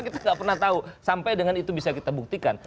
kita nggak pernah tahu sampai dengan itu bisa kita buktikan